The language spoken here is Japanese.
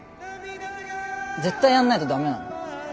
絶対やんないとダメなの？